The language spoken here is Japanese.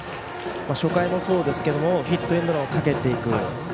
初回もそうですけどヒットエンドをかけていく。